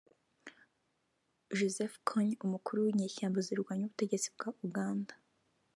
Joseph Kony Umukuru w’inyeshyamba zirwanya ubutegetsi bwa Uganda